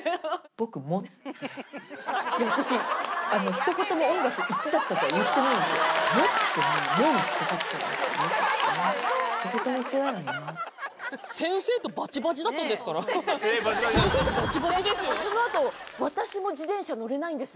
僕もって、私、ひと言も音楽、１だったとは言ってないんです。